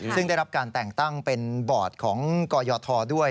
ซึ่งได้รับการแต่งตั้งเป็นบอร์ดของกยทด้วย